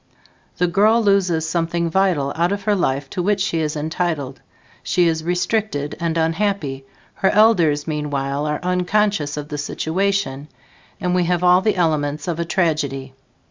The girl loses something vital out of her life to which she is entitled. She is restricted and unhappy; her elders meanwhile, are unconscious of the situation and we have all the elements of a tragedy.